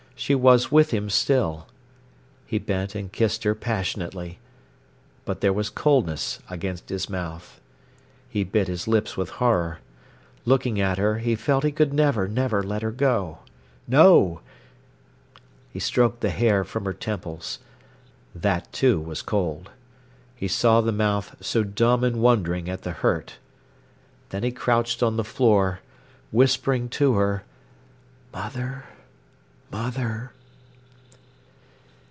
She was with him still. He bent and kissed her passionately. But there was coldness against his mouth. He bit his lips with horror. Looking at her, he felt he could never, never let her go. No! He stroked the hair from her temples. That, too, was cold. He saw the mouth so dumb and wondering at the hurt. Then he crouched on the floor, whispering to her: "Mother, mother!"